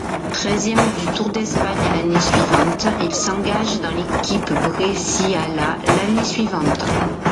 Treizième du Tour d'Espagne l'année suivante, il s'engage dans l'équipe Brescialat l'année suivante.